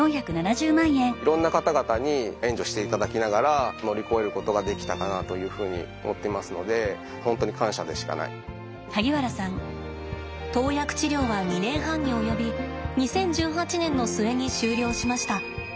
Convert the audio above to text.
いろんな方々に援助していただきながら乗り越えることができたかなというふうに思っていますので投薬治療は２年半に及び２０１８年の末に終了しました。